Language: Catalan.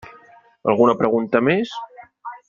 Alguna pregunta més?